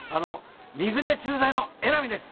水根駐在の江波です。